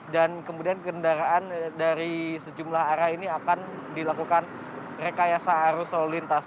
dan kemudian kendaraan dari sejumlah arah ini akan dilakukan rekayasa arus lalu lintas